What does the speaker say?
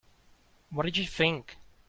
What did you think?